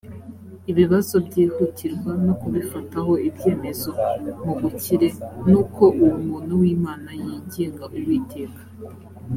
ibibazo byihutirwa no kubifataho ibyemezo mu gukire nuko uwo muntu w imana yinginga uwiteka